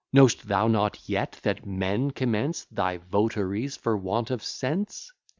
Know'st thou not yet, that men commence Thy votaries for want of sense?